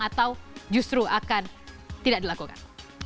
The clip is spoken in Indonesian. atau justru akan tidak dilakukan